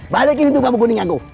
balikin tuh bambu kuning aku